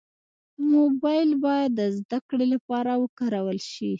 موبایل باید د زدهکړې لپاره وکارول شي.